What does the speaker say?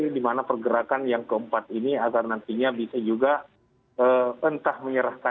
di mana pergerakan yang keempat ini agar nantinya bisa juga entah menyerahkan